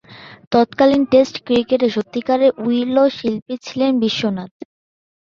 তৎকালীন টেস্ট ক্রিকেটে সত্যিকারের উইলো শিল্পী ছিলেন বিশ্বনাথ।